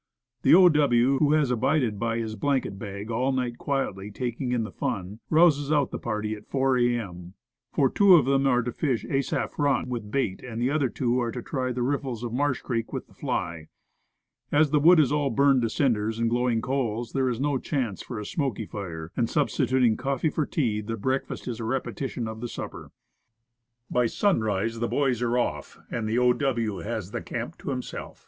The O. W., who has abided by his blanket bag all night quietly taking in the fun rouses out the party at 4 A. M. For two of them are to fish Asaph Run with bait, and the other two are to try the riffles of Marsh Creek with the fly. As the wood is all burned to cinders and glowing coals, there is no chance for a smoky fire; and, substituting coffee for tea, the breakfast is a repetition of the supper. By sunrise the boys are off, and the O. W. has the camp to himself.